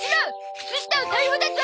靴下を逮捕だゾ！